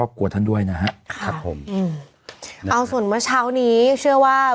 ท่านด้วยนะฮะครับผมอืมเอาส่วนเมื่อเช้านี้เชื่อว่า